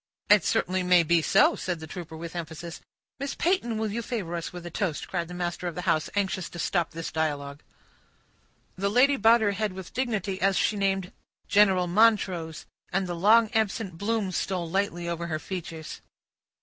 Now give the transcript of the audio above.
"It certainly may be so," said the trooper, with emphasis. "Miss Peyton, will you favor us with a toast?" cried the master of the house, anxious to stop this dialogue. The lady bowed her head with dignity, as she named "General Montrose"; and the long absent bloom stole lightly over her features.